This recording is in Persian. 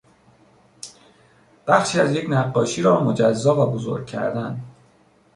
بخشی از یک نقاشی را مجزا و بزرگ کردن